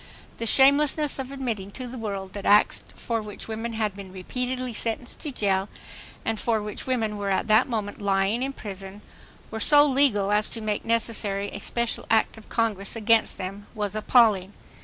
The shamelessness of admitting to the world that acts for which women had been repeatedly sentenced to jail, and for which women were at that moment lying in prison, were so legal as to make necessary a special act of Congress against them, was appalling.